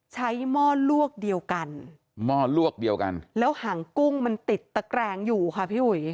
หม้อลวกเดียวกันหม้อลวกเดียวกันแล้วหางกุ้งมันติดตะแกรงอยู่ค่ะพี่อุ๋ย